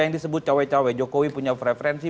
yang disebut cawe cawe jokowi punya preferensi